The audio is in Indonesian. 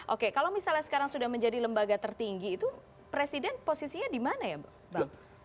oke kalau misalnya sekarang sudah menjadi lembaga tertinggi itu presiden posisinya di mana ya bang